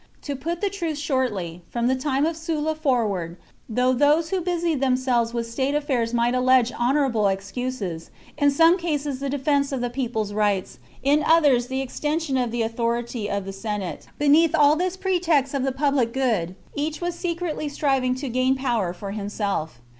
To put the truth shortly, from the time of Sulla forward, though those who busied themselves with state affairs might allege honourable excuses, in some cases the defence of the people's rights, in others the extension of the authority of the Senate, beneath all this pretext of the public good each was secretly \ THE CONSPIRACY OF CATILINE. 33 striving to gain power for himself.